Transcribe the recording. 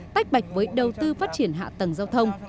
tách bạch với đầu tư phát triển hạ tầng giao thông